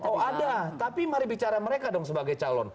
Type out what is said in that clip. oh ada tapi mari bicara mereka dong sebagai calon